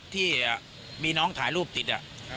ที่มีน้องถ่ายรูปติด